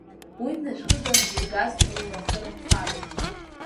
Уи днашәхыганы дызгаз рурахы рымфароуп.